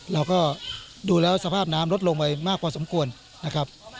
เราก็ดูแล้วสภาพน้ำลดลงไปมากพอสมควรนะครับ